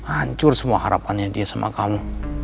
hancur semua harapannya dia sama kamu